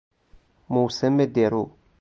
موسم درو